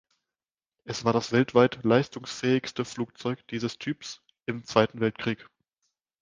Es war das weltweit leistungsfähigste Flugzeug dieses Typs im Zweiten Weltkrieg.